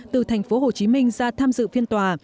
từ tp hcm ra tham dự phiên tòa